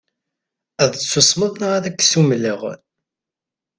Ad tsusmeḍ neɣ ad k-ssumleɣ.